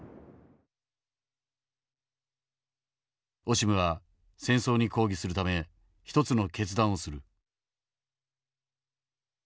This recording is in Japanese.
オシムは戦争に抗議するため一つの決断をする。